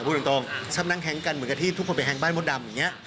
พูดตรงชอบนั่งแฮงกันเหมือนกับที่ทุกคนไปแฮงบ้านมดดำอย่างนี้